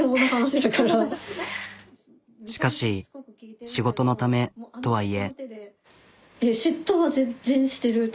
ちょっとしかし仕事のためとはいえ。